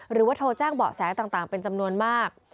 หรือว่าโทรแจ้งเบาะแสต่างเป็นจำนวนมาก